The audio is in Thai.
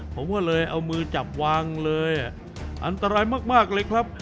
ผมก็เลยเอามือจับวางเลยอันตรายมากเลยครับ